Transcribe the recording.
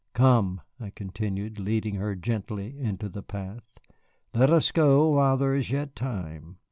Come," I continued, leading her gently into the path, "let us go while there is yet time."